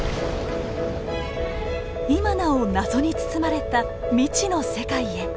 今なお謎に包まれた未知の世界へ。